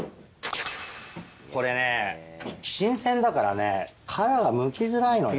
これね新鮮だからね殻がむきづらいのよ。